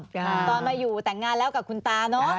ตอนมาอยู่แต่งงานแล้วกับคุณตาเนอะ